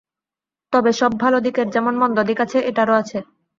তবে সব ভালো দিকের যেমন মন্দ দিক আছে -এটারও আছে।